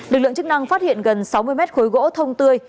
lực lượng chức năng phát hiện gần sáu mươi mét khối gỗ thông tươi